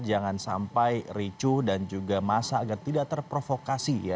jangan sampai ricu dan juga masa agar tidak terprovokasi ya